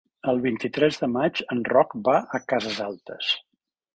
El vint-i-tres de maig en Roc va a Cases Altes.